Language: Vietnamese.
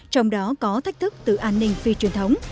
trong đó có thách thức từ an ninh phi truyền thống